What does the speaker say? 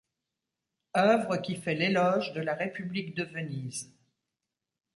Œuvre qui fait l’éloge de la république de Venise.